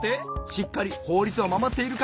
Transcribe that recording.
しっかりほうりつをまもっているか。